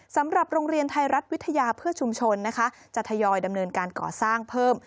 สำหรับโรงเรียนไทยรัฐวิทยาเพื่อชุมชนนะคะจะทยอยดำเนินการก่อสร้างเพิ่ม